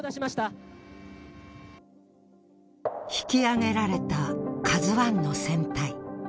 引き揚げられたＫＡＺＵⅠの船体。